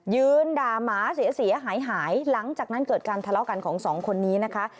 ยืนด่าหมาเสียหายหายหลังจากนั้นเกิดการทะเลาะกันของสองคนนี้นะคะ